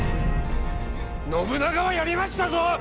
信長はやりましたぞ！